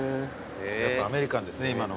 やっぱアメリカンですね今の。